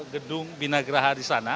gedung binagraha di sana